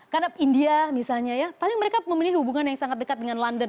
karena india misalnya ya paling mereka memiliki hubungan yang sangat dekat dengan london